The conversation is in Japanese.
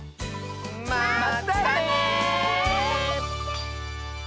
まったね！